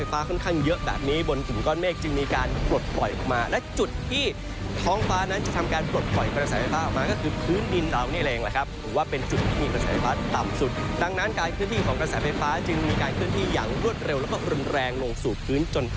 จากนั้นอักฏการณ์ของกระแสไฟฟ้าได้เคลื่อนที้ยังรวดแล้วและก็อ่อนแรงลงแล้ว